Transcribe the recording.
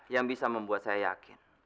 yang bisa membuat saya yakin